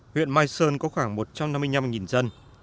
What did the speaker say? huyện mai sơn có khoảng một trăm năm mươi năm dân